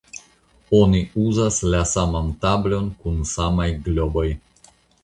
Oni uzas la saman tablon kun samaj globoj.